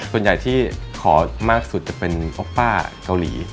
ส่วนใหญ่ที่ขอมากสุดจะเป็นเพราะป้าเกาหลี